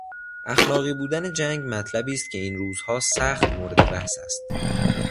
اخلاقی بودن جنگ مطلبی است که این روزها سخت مورد بحث است.